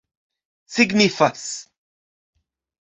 signifas